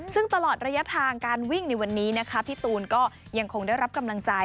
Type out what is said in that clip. ซึ่งตลอดระยะทางการวิ่งในวันนี้นะคะพี่ตูนก็ยังคงได้รับกำลังใจ